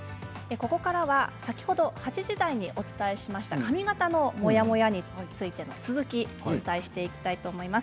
ここからは先ほど８時台にお伝えしました髪形のモヤモヤについての続きです。